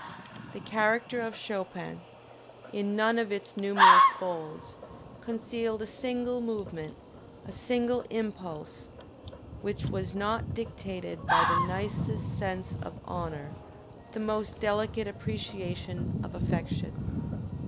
The character of Chopin, in none of its numerous folds, concealed a single movement, a single impulse, which was not dictated by the nicest sense of honor, the most delicate appreciation of affection.